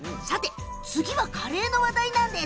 次はカレーの話題なんです。